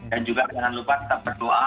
dan juga jangan lupa tetap berdoa